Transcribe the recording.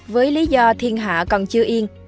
với lý do thiên hạ còn chưa yên